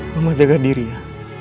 mama jaga diri ya